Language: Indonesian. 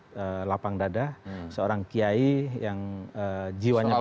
berpengadilan seorang pangdadah seorang kiai yang jiwanya besar